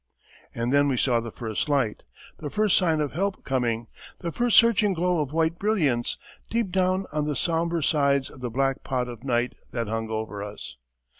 And then we saw the first light the first sign of help coming the first searching glow of white brilliance, deep down on the sombre sides of the black pot of night that hung over us.